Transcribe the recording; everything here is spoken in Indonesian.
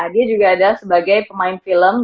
dia juga ada sebagai pemain film